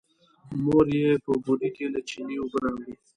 مور يې په ګوډي کې له چينې اوبه راوړې.